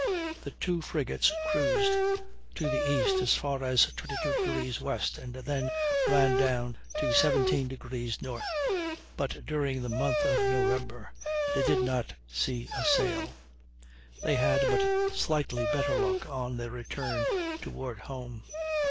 The two frigates cruised to the east as far as 22° W., and then ran down to 17° N.; but during the month of November they did not see a sail. They had but slightly better luck on their return toward home.